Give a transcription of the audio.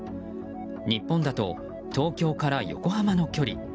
日本だと、東京から横浜の距離。